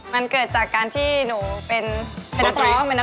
มันเกิดจากการที่หนูเป็นนักร้อง